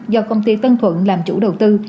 do công ty tân thuận làm chủ đầu tư